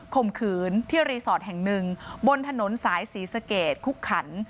ข่มขืนที่รีสอร์ทแห่งหนึ่งบนถนนสายศรีสะเกดคุกขัน